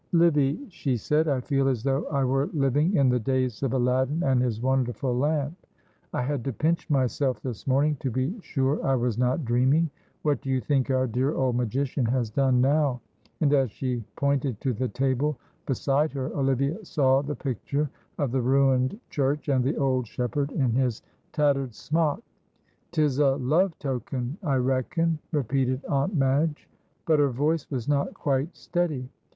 "Livy," she said, "I feel as though I were living in the days of Aladdin and his wonderful lamp. I had to pinch myself this morning, to be sure I was not dreaming. What do you think our dear old magician has done now?" And as she pointed to the table beside her, Olivia saw the picture of the ruined church, and the old shepherd in his tattered smock. "'Tis a love token, I reckon," repeated Aunt Madge, but her voice was not quite steady.